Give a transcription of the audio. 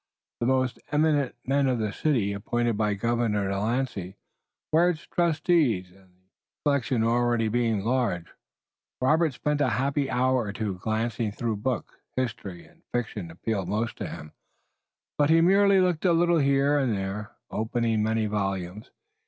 The most eminent men of the city, appointed by Governor de Lancey, were its trustees, and, the collection already being large, Robert spent a happy hour or two glancing through the books. History and fiction appealed most to him, but he merely looked a little here and there, opening many volumes.